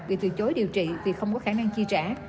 bị từ chối điều trị vì không có khả năng chi trả